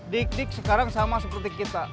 dik dik sekarang sama seperti kita